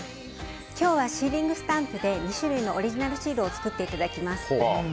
今日はシーリングスタンプで２種類のオリジナルシールを作っていただきます。